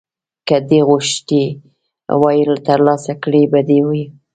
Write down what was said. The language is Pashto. که دې غوښتي وای ترلاسه کړي به دې وو.